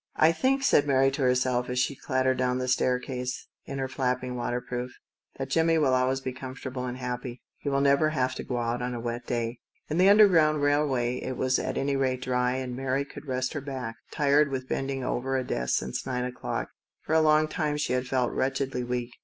"I think," said Mary to herself as she clattered down the bare stone staircase in her 190 THE STOUT OF A MODERN WOMAN. flapping waterproof, " that Jimmie will always be comfortable and happy. He will never have to go out on a wet day." In the Underground Railway it was at any rate dry, and Mary could rest her back, tired with bending over a desk since nine o'clock. For a long time she had felt wretchedly weak.